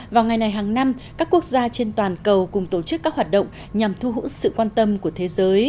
vào ngày này hàng năm các quốc gia trên toàn cầu cùng tổ chức các hoạt động nhằm thu hút sự quan tâm của thế giới